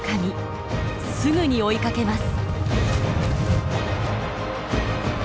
すぐに追いかけます。